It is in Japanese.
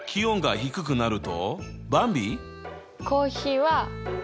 低くなると。